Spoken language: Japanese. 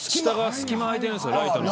隙間が開いてるんです。